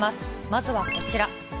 まずはこちら。